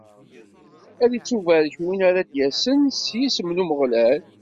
Ad ittubarek win ara d-yasen s yisem n Umeɣlal.